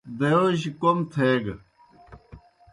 دایئوجیْ کوْم تھیگہ۔